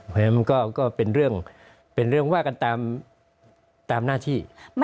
เพราะฉะนั้นก็เป็นเรื่องว่ากันตามหน้าที่